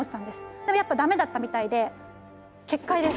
でもやっぱダメだったみたいで決壊です。